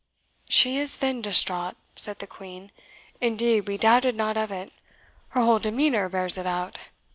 "She is then distraught?" said the Queen. "Indeed we doubted not of it; her whole demeanour bears it out.